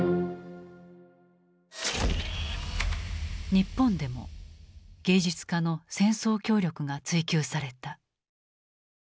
日本でも芸術家の戦争協力が追及された。